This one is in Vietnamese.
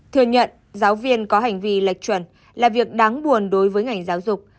thừa nhận giáo viên có hành vi lệch chuẩn là việc đáng buồn đối với ngành giáo dục